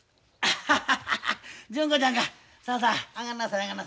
ハハハハハ。